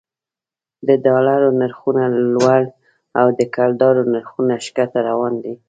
د ډالرو نرخونه لوړ او د کلدارو نرخونه ښکته روان دي